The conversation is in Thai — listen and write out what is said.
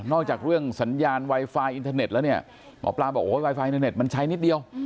อกจากเรื่องสัญญาณไวไฟอินเทอร์เน็ตแล้วเนี่ยหมอปลาบอกโอ้ยไวไฟเทอร์เน็ตมันใช้นิดเดียว